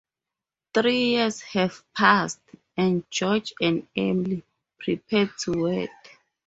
Three years have passed, and George and Emily prepare to wed.